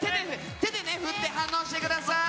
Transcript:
手を振って反応してください。